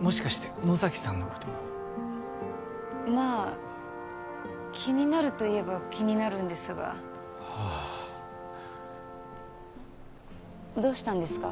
もしかして野崎さんのことをまあ気になると言えば気になるんですがはあどうしたんですか？